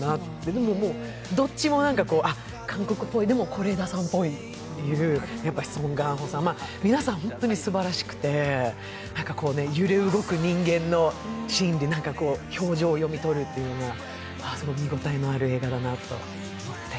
でもどっちも韓国映画っぽい、でも、是枝さんっぽいという、やっぱりソン・ガンホさん、皆さん、本当にすばらしくて、揺れ動く人間の心理、表情を読み取るというような見応えのある映画だなと思って。